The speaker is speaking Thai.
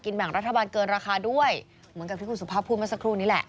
แบ่งรัฐบาลเกินราคาด้วยเหมือนกับที่คุณสุภาพพูดเมื่อสักครู่นี้แหละ